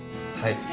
はい。